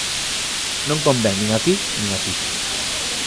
Non convén nin aquí, nin aquí.